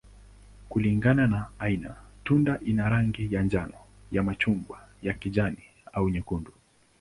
Kulingana na aina, tunda ina rangi ya njano, ya machungwa, ya kijani, au nyekundu.